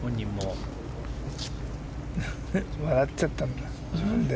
笑っちゃったんだ自分で。